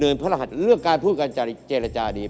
พระรหัสเรื่องการพูดการเจรจาดี